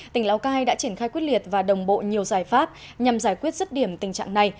tỉnh lào cai đã triển khai quyết liệt và đồng bộ nhiều giải pháp nhằm giải quyết rứt điểm tình trạng này